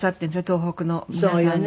東北の皆さんが。